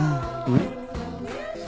うん？